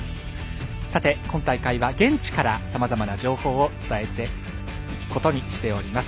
さて、今大会は現地からさまざまな情報を伝えていくことにしております。